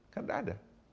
kan nggak ada